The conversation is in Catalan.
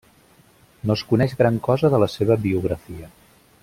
No es coneix gran cosa de la seva biografia.